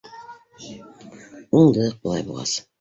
— Уңдыҡ былай булғас.